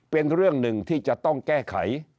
เป็นเรื่องหนึ่งที่จะต้องแก้ไข